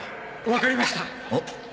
わかりました。